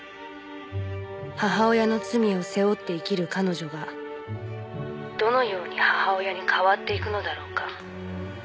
「母親の罪を背負って生きる彼女がどのように母親に変わっていくのだろうか」